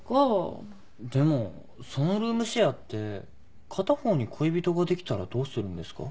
でもそのルームシェアって片方に恋人ができたらどうするんですか？